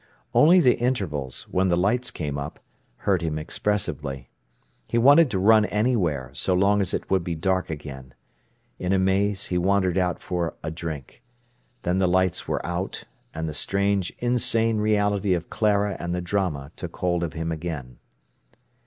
Only the intervals, when the lights came up, hurt him expressibly. He wanted to run anywhere, so long as it would be dark again. In a maze, he wandered out for a drink. Then the lights were out, and the strange, insane reality of Clara and the drama took hold of him again.